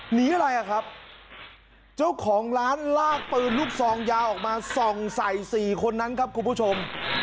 หนีอะไรอ่ะครับเจ้าของร้านลากปืนลูกซองยาวออกมาส่องใส่สี่คนนั้นครับคุณผู้ชม